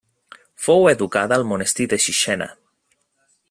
Fou educada al monestir de Sixena.